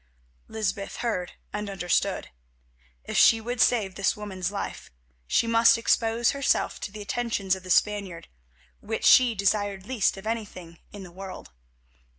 Lysbeth heard and understood. If she would save this woman's life she must expose herself to the attentions of the Spaniard, which she desired least of anything in the world.